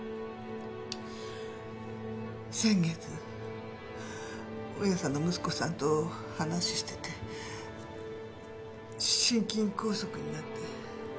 先月大家さんの息子さんと話をしてて心筋梗塞になって。